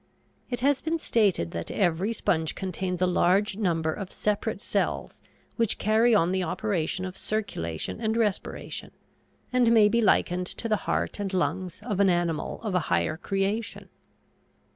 It has been stated that every sponge contains a large number of separate cells which carry on the operation of circulation and respiration, and may be likened to the heart and lungs of an animal of a higher creation.